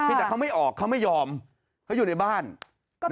แต่เขาไม่ออกเขาไม่ยอมเขาอยู่ในบ้านก็